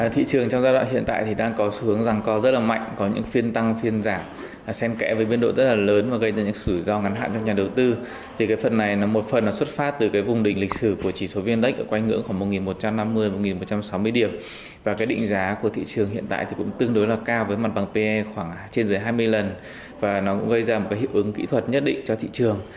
thị trường sẽ tích lũy nền giá mặt bằng pe khoảng trên giới hai mươi lần và nó cũng gây ra một hiệu ứng kỹ thuật nhất định cho thị trường